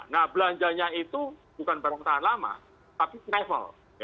nah belanjanya itu bukan barang tahan lama tapi travel